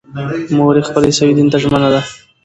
مور یې خپل عیسوي دین ته ژمنه ده.